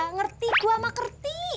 ngerti gua mah ngerti